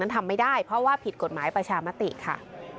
ทำไม่ได้เพราะว่าผิดกฎหมายประชามติค่ะ